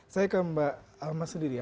saya ke mbak almas sendiri ya